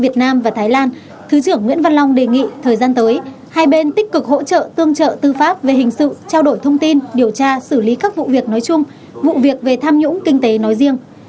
thứ trưởng nguyễn văn long đề nghị thời gian tới hai bên tích cực hỗ trợ tương trợ tư pháp về hình sự trao đổi thông tin điều tra xử lý các vụ việc nói chung vụ việc về tham nhũng kinh tế nói riêng